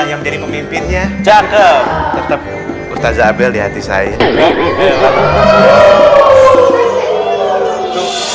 yang jadi pemimpinnya cakep tetap ustadz abel di hati saya